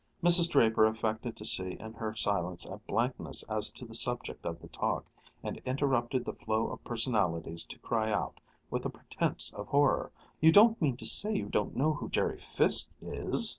Mrs. Draper affected to see in her silence a blankness as to the subject of the talk, and interrupted the flow of personalities to cry out, with a pretense of horror, "You don't mean to say you don't know who Jerry Fiske is!"